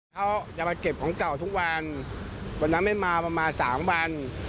เขาจะมาเก็บของเก่าทุกวันวันนั้นไม่มาประมาณสามวัน